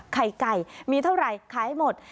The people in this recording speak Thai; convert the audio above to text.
ไข่ไก่มีเท่าไรขายให้หมด